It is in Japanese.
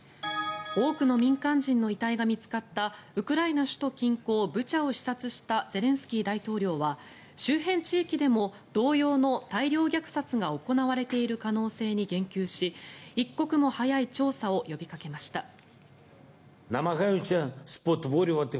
多くの民間人の遺体が見つかったウクライナ首都近郊ブチャを視察したゼレンスキー大統領は周辺地域でも同様の大量虐殺が行われている可能性に言及し一刻も早い調査を呼びかけました。